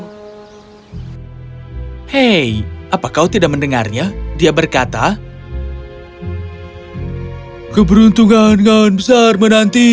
hai hei apa kau tidak mendengarnya dia berkata keberuntungan yang besar menanti